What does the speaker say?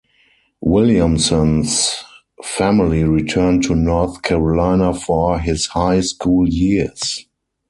Williamson's family returned to North Carolina for his high school years.